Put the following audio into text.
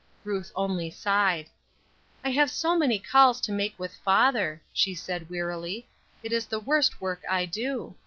Ruth only sighed. "I have so many calls to make with father," she said, wearily. "It is the worst work I do.